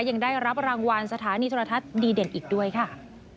ยังได้รับรางวัลสถานีโทรทัศน์ดีเด่นอีกด้วยค่ะ